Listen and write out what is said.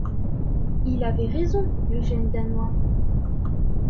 Il avait raison, le jeune Danois.